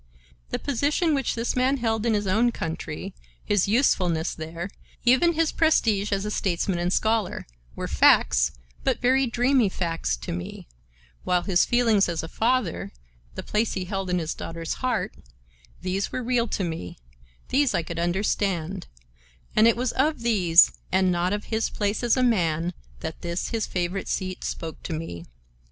The position which this man held in his own country, his usefulness there, even his prestige as statesman and scholar, were facts, but very dreamy facts, to me, while his feelings as a father, the place he held in his daughter's heart—these were real to me, these I could understand; and it was of these and not of his place as a man, that this his favorite seat spoke to me.